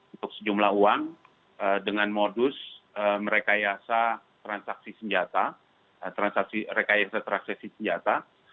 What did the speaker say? untuk sejumlah uang dengan modus merekayasa transaksi senjata rekayasa transaksi senjata